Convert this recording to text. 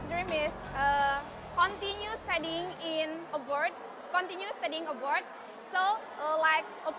jadi mereka menerima bahasa inggris di kelas di sekolah mereka